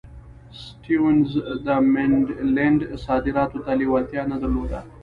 سټیونز د منډلینډ صادراتو ته لېوالتیا نه درلوده.